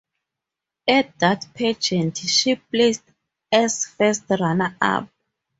At that pageant she placed as first runner-up.